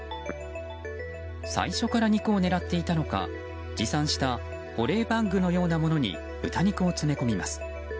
最初から肉を狙っていたのか持参した保冷バッグのようなものに豚肉を詰め込みます。